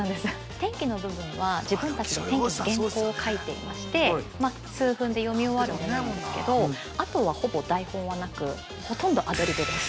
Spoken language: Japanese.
天気の部分は、自分たちで天気の原稿を書いていまして、数分で読み終わるものなんですけど、あとは、ほぼ台本はなく、ほとんどアドリブです。